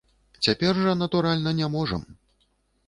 Цяпер жа, натуральна, не можам.